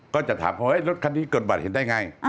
ก็จะถามเขาว่ารถคันนี้กดบัตรเห็นได้ไง